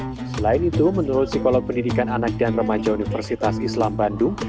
selain itu menurut psikolog pendidikan anak dan remaja universitas islam bandung